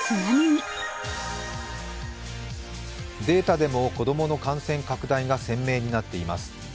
データでも子供の感染拡大が鮮明になっています。